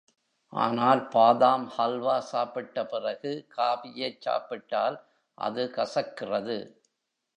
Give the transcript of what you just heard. ஆனால் பாதாம் ஹல்வா சாப்பிட்ட பிறகு காபியைச் சாப்பிட்டால் அது கசக்கிறது.